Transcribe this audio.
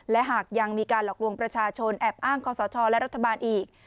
และหากยังมีการหลอกลวงประชาชนแอบอ้างคอสชและรัฐบาลอีก